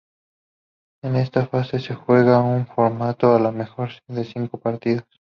En esta fase se juega en un formato al mejor de cinco partidos.